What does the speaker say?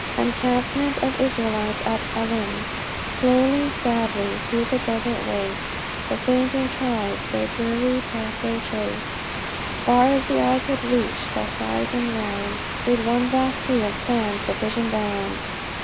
ENCAMPMENT OF ISRAELITES AT ELIM. "Slowly and sadly, through the desert waste, The fainting tribes their dreary pathway traced; Far as the eye could reach th' horizon round, Did one vast sea of sand the vision bound.